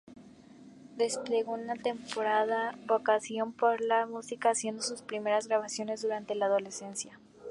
Desplegó una temprana vocación por la música haciendo sus primeras grabaciones durante la adolescencia.